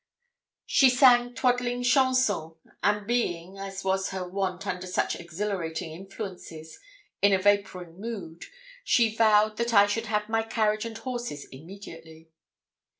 She sang twaddling chansons, and being, as was her wont under such exhilarating influences, in a vapouring mood, she vowed that I should have my carriage and horses immediately.